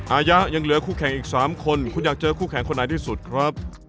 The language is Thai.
อายะยังเหลือคู่แข่งอีก๓คนคุณอยากเจอคู่แข่งคนไหนที่สุดครับ